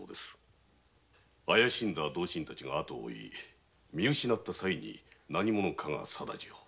怪しんだ同心たちが追い見失った際に何者かが貞次を。